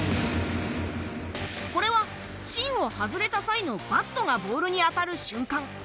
これは芯を外れた際のバットがボールに当たる瞬間。